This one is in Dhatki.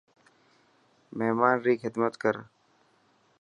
مهمان ري خدمت ڪر.